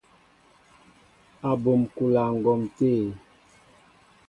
Abum kúla ŋgǒm té.